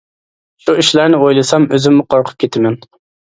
شۇ ئىشلارنى ئويلىسام ئۆزۈممۇ قورقۇپ كىتىمەن.